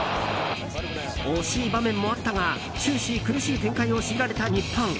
惜しい場面もあったが終始苦しい展開を強いられた日本。